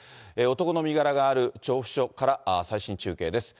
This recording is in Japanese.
男の身柄がある調布署から最新中継です。